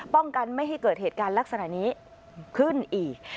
ป้องกันไม่ให้เกิดเหตุการณ์ลักษณะนี้ขึ้นอีก